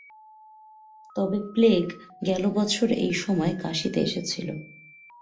তবে প্লেগ গেল বৎসর এই সময়ে কাশীতে এসেছিল।